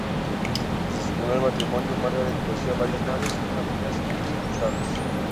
Desde su primer matrimonio, Margaret poseía varias naves, una de ellas el "King Charles.